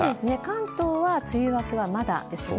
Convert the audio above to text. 関東は梅雨明けはまだですよね。